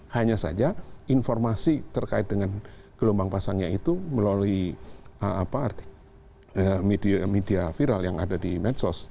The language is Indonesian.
hanya saja informasi terkait dengan gelombang pasangnya itu melalui media viral yang ada di medsos